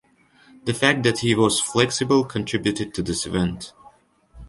The fact that he was flexible contributed to this event.